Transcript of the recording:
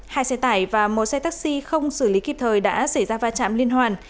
hai xe tải và một xe taxi không xử lý kịp thời đã xảy ra va chạm liên hoàn